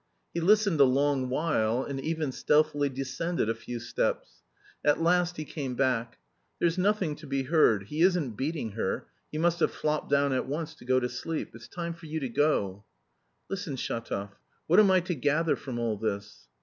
He listened a long while, and even stealthily descended a few steps. At last he came back. "There's nothing to be heard; he isn't beating her; he must have flopped down at once to go to sleep. It's time for you to go." "Listen, Shatov, what am I to gather from all this?"